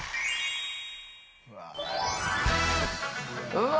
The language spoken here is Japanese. うわ